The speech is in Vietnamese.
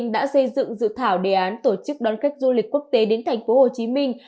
đã xây dựng dự thảo đề án tổ chức đón khách du lịch quốc tế đến thành phố hồ chí minh